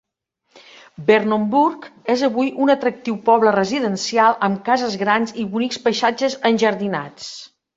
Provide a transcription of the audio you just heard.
Vernonburg és avui un atractiu poble residencial amb cases grans i bonics paisatges enjardinats.